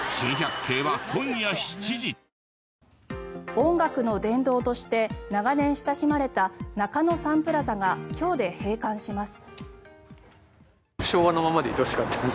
音楽の殿堂として長年親しまれた中野サンプラザが今日で閉館します。